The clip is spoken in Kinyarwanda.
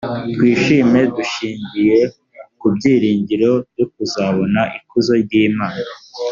twishime dushingiye ku byiringiro byo kuzabona ikuzo ry imana.